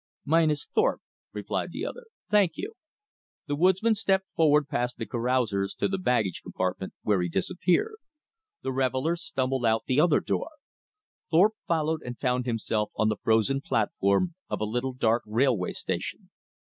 "Mine is Thorpe," replied the other. "Thank you." The woodsman stepped forward past the carousers to the baggage compartment, where he disappeared. The revellers stumbled out the other door. Thorpe followed and found himself on the frozen platform of a little dark railway station.